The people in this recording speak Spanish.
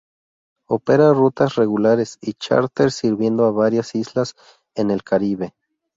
Opera rutas regulares y charter sirviendo a varias islas en el caribe.